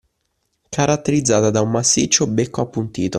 Caratterizzata da un massiccio becco appuntito